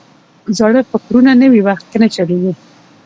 زاړه فکرونه نوي وخت کې نه چلیږي.